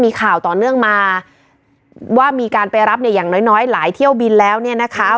มีข่าวต่อเนื่องมาว่ามีการไปรับเนี่ยอย่างน้อยน้อยหลายเที่ยวบินแล้วเนี่ยนะคะ